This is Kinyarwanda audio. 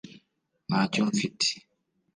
ntacyo mfite